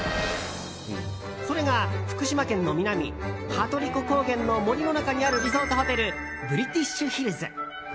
それが福島県の南羽鳥湖高原の森の中にあるリゾートホテルブリティッシュヒルズ。